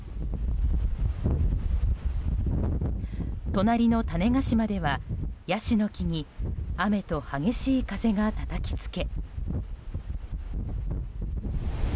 隣の種子島ではヤシの木に雨と激しい風が吹き付け。